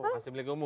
masih milik umum